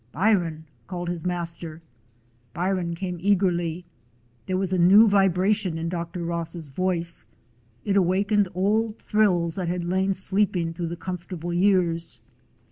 "Byron!" called his master. Byron came eagerly. There was a new vibration in Dr. Ross's voice; it awakened old thrills that had lain sleeping through the com fortable years.